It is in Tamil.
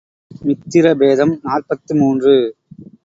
மித்திர பேதம் நாற்பத்து மூன்று.